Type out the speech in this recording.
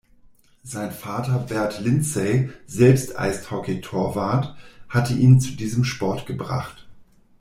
Sein Vater Bert Lindsay, selbst Eishockeytorwart, hatte ihn zu diesem Sport gebracht.